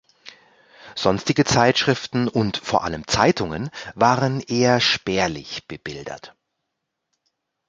Sonstige Zeitschriften und vor allem Zeitungen waren eher spärlich bebildert.